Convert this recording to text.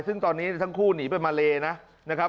ซึ่งตอนนี้ทั้งคู่หนีไปมาเลนะครับ